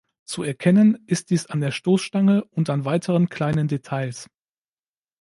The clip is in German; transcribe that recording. Zu erkennen ist dies an der Stoßstange und an weiteren kleinen Details.